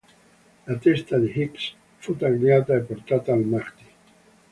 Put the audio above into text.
La testa di Hicks fu tagliata e portata al mahdi.